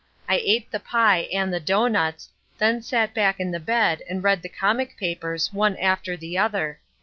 I ate the pie and the doughnuts, then sat back in the bed and read the comic papers one after the other.